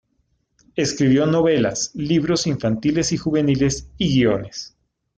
Escribió novelas, libros infantiles y juveniles y guiones.